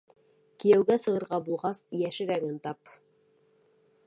Кейәүгә сығырға булғас, йәшерәген тап.